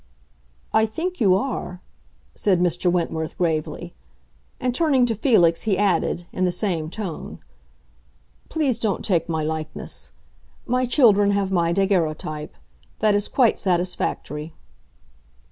"I think you are," said Mr. Wentworth gravely. And turning to Felix he added, in the same tone, "Please don't take my likeness. My children have my daguerreotype. That is quite satisfactory."